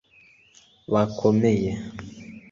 bakomeye